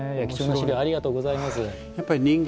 貴重な史料をありがとうございます。